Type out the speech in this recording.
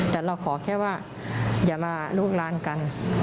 แต่เราขอแค่ว่าอย่ามาลูกลานกัน